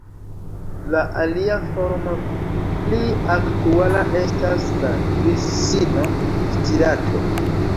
La alia formo pli aktuala estas la "grissino stirato".